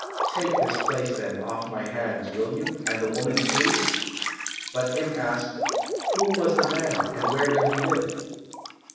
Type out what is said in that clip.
Take this place, then, off my hands, will you, and the woman too?" But Im asked, "Who was the man, and where did he live?"